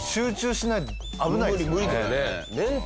無理だよね。